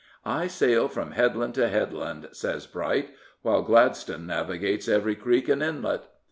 " I sail from headland to headland," said Bright, " while Gladstone navigates every creek and inlet."